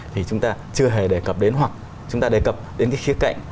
thì chúng ta chưa hề đề cập đến hoặc chúng ta đề cập đến cái khía cạnh